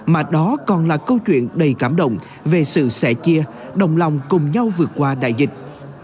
mà đó còn là câu chuyện đầy cảm động về sự sẻ chia đồng lòng cùng nhau vượt qua đại dịch